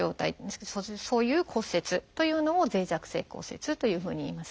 そういう骨折というのを脆弱性骨折というふうにいいます。